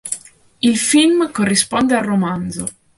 Il film corrisponde al romanzo.